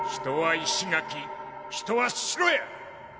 人は石垣人は城や！